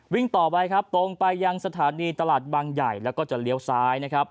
วิ่งต่อไปตรงไปยังสถานีตลาดบางใหญ่แล้วก็จะเลี้ยวซ้าย